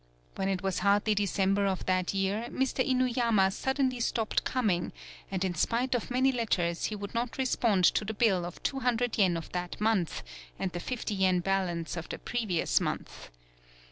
When it was hardly December of that year, Mr. Inuyama suddenly stopped coming, and in spite of many letters he would not respond to the bill of two hundred yen of that month and the fifty yen balance of the previous month.